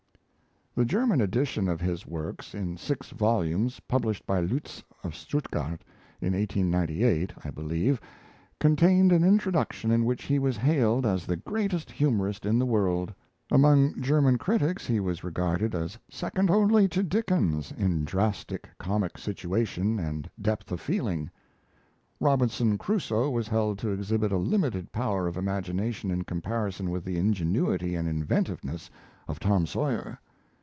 The German edition of his works, in six volumes, published by Lutz of Stuttgart, in 1898, I believe, contained an introduction in which he was hailed as the greatest humorist in the world. Among German critics he was regarded as second only to Dickens in drastic comic situation and depth of feeling. Robinson Crusoe was held to exhibit a limited power of imagination in comparison with the ingenuity and inventiveness of Tom Sawyer.